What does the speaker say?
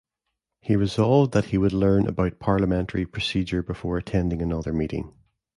He resolved that he would learn about parliamentary procedure before attending another meeting.